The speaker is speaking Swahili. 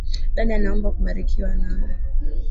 Dada naomba kubarikiwa nawe.